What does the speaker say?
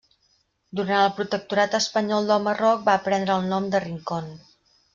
Durant el Protectorat espanyol del Marroc va prendre el nom de Rincón.